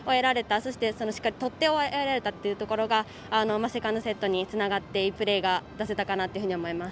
そしてしっかり取って終えられたというのがセカンドセットにつながっていくプレーが出せたかなと思います。